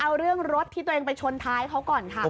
เอาเรื่องรถที่ตัวเองไปชนท้ายเขาก่อนค่ะ